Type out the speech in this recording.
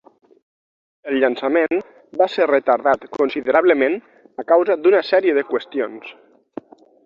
El llançament va ser retardat considerablement a causa d'una sèrie de qüestions.